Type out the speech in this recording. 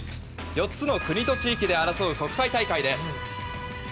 ４つの国と地域で争う国際大会です。